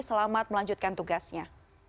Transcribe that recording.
dan selamat melanjutkan tugasnya